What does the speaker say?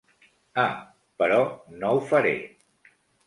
Ah, però no ho faré.